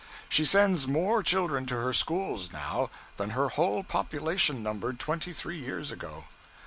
She sends more children to her schools now, than her whole population numbered twenty three years ago.